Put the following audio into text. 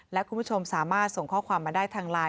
และคุณผู้ชมสามารถส่งข้อความมาได้ทางไลน์